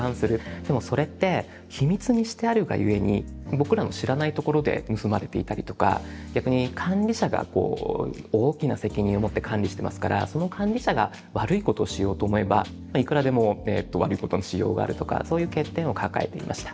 でもそれって秘密にしてあるがゆえに僕らの知らないところで盗まれていたりとか逆に管理者が大きな責任を持って管理してますからその管理者が悪いことをしようと思えばいくらでも悪いことのしようがあるとかそういう欠点を抱えていました。